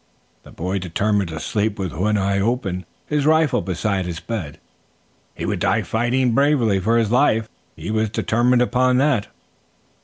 The boy determined to sleep with one eye open, his rifle beside his bed. He would die fighting bravely for his life. He was determined upon that.